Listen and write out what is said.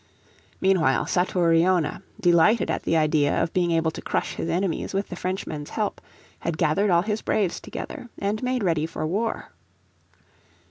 Meanwhile Satouriona, delighted at the idea of being able to crush his enemies with the Frenchmen's help, had gathered all his braves together and made ready for war.